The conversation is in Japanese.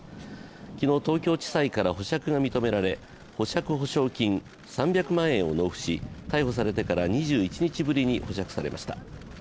昨日、東京地裁から保釈が認められ保釈保証金３００万円を納付し、逮捕されてから２１日ぶりに保釈されました。